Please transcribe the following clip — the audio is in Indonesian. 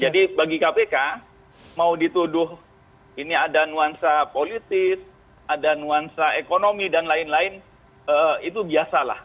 bagi kpk mau dituduh ini ada nuansa politis ada nuansa ekonomi dan lain lain itu biasalah